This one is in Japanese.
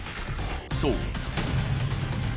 そう。